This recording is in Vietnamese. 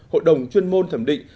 hội đồng chuyên môn thẩm định